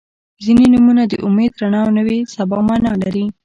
• ځینې نومونه د امید، رڼا او نوې سبا معنا لري.